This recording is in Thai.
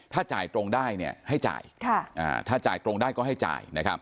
ถ้าจ่ายตรงได้ให้จ่ายถ้าจ่ายตรงได้ก็ให้จ่าย